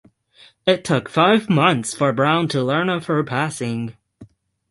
It took five months for Brown to learn of her passing.